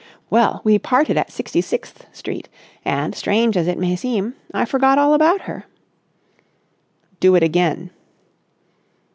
Well, we parted at Sixty sixth Street, and, strange as it may seem, I forgot all about her." "Do it again!"